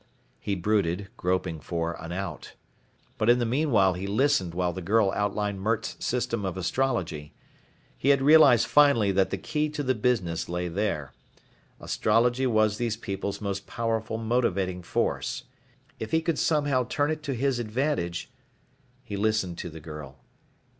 He brooded, groping for an out. But in the meanwhile he listened while the girl outlined Mert's system of astrology. He had realized finally that the key to the business lay there. Astrology was these people's most powerful motivating force. If he could somehow turn it to his advantage He listened to the girl.